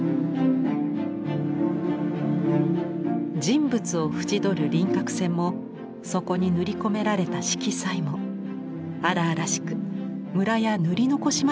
人物を縁取る輪郭線もそこに塗り込められた色彩も荒々しくムラや塗り残しまで見えます。